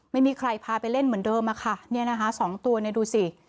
ไม่มีใครพาไปเล่นเหมือนเดิมอะค่ะเนี่ยนะคะสองตัวเนี่ยดูสิ